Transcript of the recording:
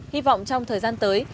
hy vọng trong thời gian tới